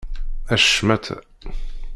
A ccmata!